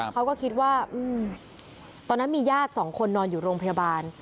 เขาก็คิดว่าตอนนั้นมีญาติสองคนนอนอยู่โรงพยาบาล